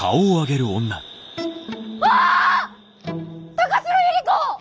高城百合子！